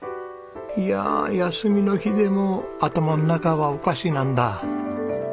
いやあ休みの日でも頭の中はお菓子なんだ。